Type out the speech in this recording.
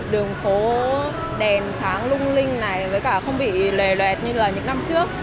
đường phố đèn sáng lung linh này với cả không bị lề lẹt như là những năm trước